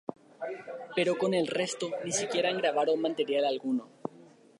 Pero con el resto ni siquiera grabaron material alguno.